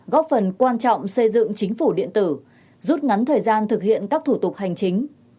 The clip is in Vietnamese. góp phần quan trọng xây dựng chính phủ điện tử rút ngắn thời gian thực hiện các thủ tục hành chính